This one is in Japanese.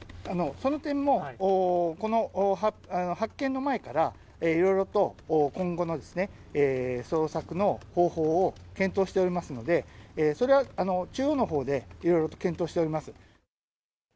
その点もこの発見の前から、いろいろと、今後のですね、捜索の方法を検討しておりますので、それは中央のほうで、いろいろと検討しております。